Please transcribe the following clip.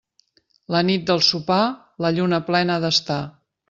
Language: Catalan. La nit del Sopar, la lluna plena ha d'estar.